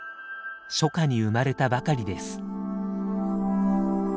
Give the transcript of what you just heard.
初夏に生まれたばかりです。